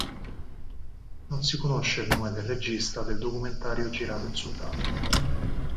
Non si conosce il nome del regista del documentario girato in Sudafrica.